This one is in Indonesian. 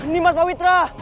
nimas pak witra